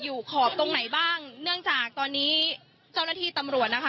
ขอบตรงไหนบ้างเนื่องจากตอนนี้เจ้าหน้าที่ตำรวจนะคะ